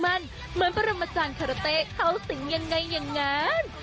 เหมือนพระรมจังคาราเตะเขาสิ่งอย่างไรอย่างนั้น